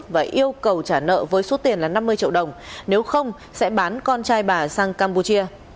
và yêu cầu trả nợ với số tiền là năm mươi triệu đồng nếu không sẽ bán con trai bà sang campuchia